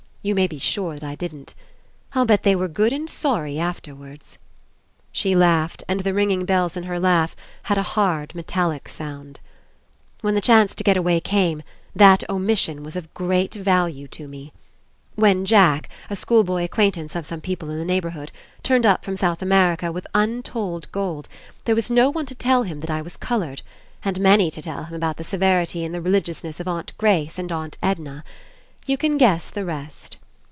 You may be sure that I didn't. I'll bet they were good and sorry afterwards." She laughed and the ringing bells In her laugh had a hard metallic sound. "When the chance to get away came, that omission was of great value to me. When 41 PASSING Jack, a schoolboy acquaintance of some peo ple In the neighbourhood, turned up from South America with untold gold, there was no one to tell him that I was coloured, and many to tell him about the severity and the religious ness of Aunt Grace and Aunt Edna. You can guess the rest.